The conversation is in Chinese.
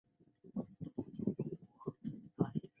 霍尔特加斯特是德国下萨克森州的一个市镇。